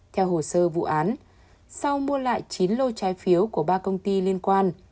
theo hồ sơ vụ án sau mua lại chín lô trái phiếu của ba công ty liên quan